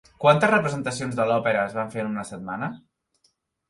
Quantes representacions de l'òpera es van fer en una setmana?